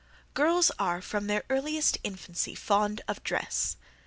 "Girls are from their earliest infancy fond of dress.